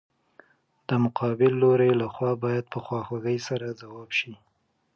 د مقابل لوري له خوا باید په خواخوږۍ سره ځواب شي.